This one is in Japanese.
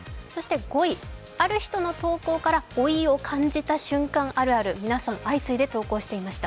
５位、ある人の投稿から老いを感じた瞬間あるある、皆さん、相次いで投稿していました